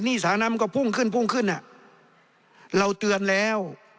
สาน้ำมันก็พุ่งขึ้นพุ่งขึ้นอ่ะเราเตือนแล้ว